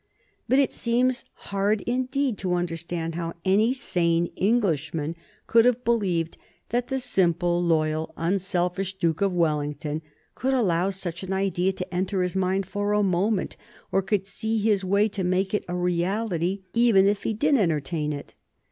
But it seems hard indeed to understand how any sane Englishman could have believed that the simple, loyal, unselfish Duke of Wellington could allow such an idea to enter his mind for a moment, or could see his way to make it a reality even if he did entertain it.